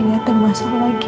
nggak termasuk lagi